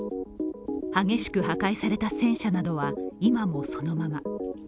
激しく破壊された戦車などは今もそのまま。